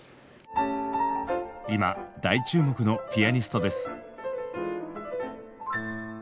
今大注目のピアニストです。